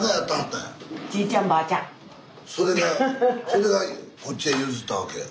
それがこっちへ譲ったわけ。